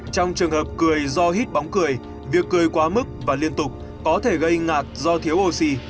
trong trường hợp cười do hít bóng cười việc cười quá mức và liên tục có thể gây ngạc do thiếu oxy